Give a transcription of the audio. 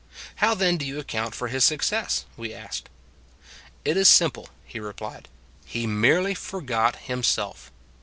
" How then do you account for his suc cess? " we asked. " It is simple," he replied. " He merely forgot himself.